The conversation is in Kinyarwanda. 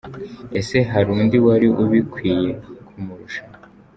Ese hari undi wari ubikwiye kumurusha?